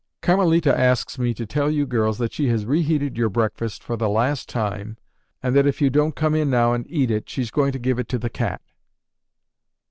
"Carmelita asks me to tell you girls that she has reheated your breakfast for the last time and that if you don't come in now and eat it, she's going to give it to the cat."